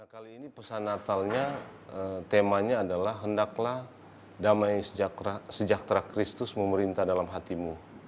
kali ini pesan natalnya temanya adalah hendaklah damai sejahtera kristus memerintah dalam hatimu